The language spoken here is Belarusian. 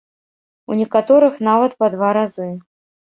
У некаторых нават па два разы.